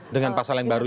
dengan pasal yang baru ini